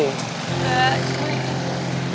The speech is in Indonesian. nggak jangan marah